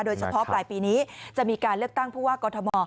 โดยเฉพาะปลายปีนี้จะมีการเลือกตั้งผู้ว่ากอทม